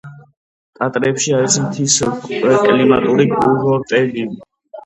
ტატრებში არის მთის კლიმატური კურორტები.